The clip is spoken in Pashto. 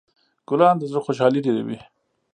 ګلان د زړه خوشحالي ډېروي.